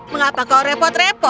mengapa kau repot repot